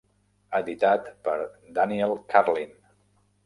Editat per Daniel Karlin.